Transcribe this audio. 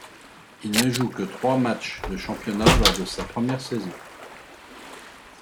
Il ne joue que trois matchs de championnat lors de sa première saison.